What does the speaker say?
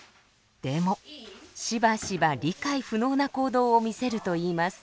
でもしばしば理解不能な行動を見せるといいます。